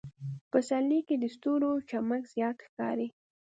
په پسرلي کې د ستورو چمک زیات ښکاري.